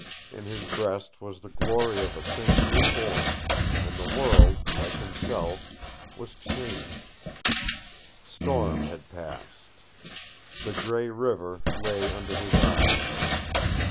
In his breast was the glory of a thing new born, and the world, like himself, was changed. Storm had passed. The gray river lay under his eyes.